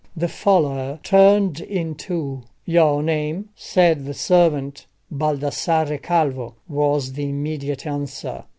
The follower turned in too. "Your name?" said the servant. "Baldassarre Calvo," was the immediate answer.